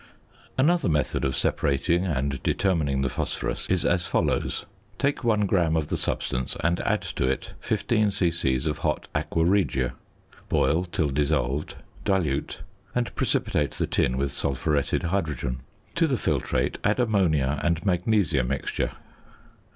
Another method of separating and determining the phosphorus is as follows: Take 1 gram of the substance and add to it 15 c.c. of hot aqua regia. Boil till dissolved, dilute, and precipitate the tin with sulphuretted hydrogen. To the filtrate add ammonia and "magnesia mixture."